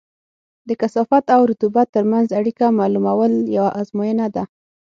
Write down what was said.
د کثافت او رطوبت ترمنځ اړیکه معلومول یوه ازموینه ده